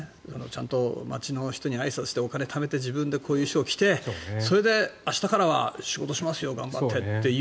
だから、街の人にあいさつしてお金をためて自分でこういう衣装を着てそれで明日からは仕事しますよ頑張ってって言う。